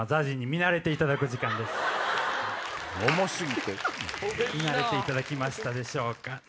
見慣れていただきましたでしょうか。